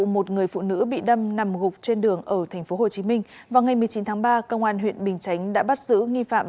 một người phụ nữ bị đâm nằm gục trên đường ở tp hcm vào ngày một mươi chín tháng ba công an huyện bình chánh đã bắt giữ nghi phạm